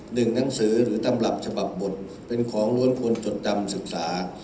หนังสือหรือตำรับฉบับบทเป็นของล้วนควรจดจำศึกษา